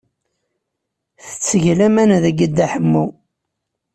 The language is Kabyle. Tetteg laman deg Dda Ḥemmu.